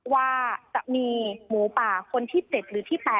ว่าจะมีหมูป่าคนที่๗หรือที่๘